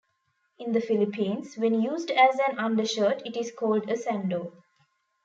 In the Philippines, when used as an undershirt it is called a sando.